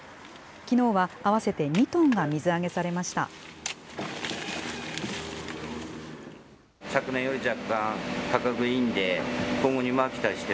きのうは合わせて２トンが水揚げされました。